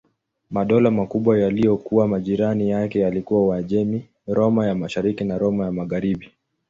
Madola makubwa yaliyokuwa majirani yake yalikuwa Uajemi, Roma ya Mashariki na Roma ya Magharibi.